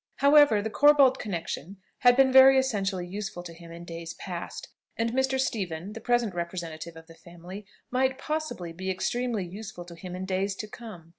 However, the Corbold connexion had been very essentially useful to him in days past; and Mr. Stephen, the present representative of the family, might possibly be extremely useful to him in days to come.